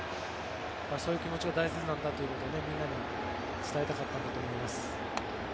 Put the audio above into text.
そういう気持ちが大切なんだということをみんなに伝えたかったんだと思います。